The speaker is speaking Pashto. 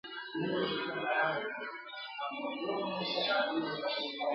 له جهاني څخه به اورو یو کتاب غزلي !.